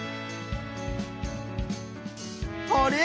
あれ？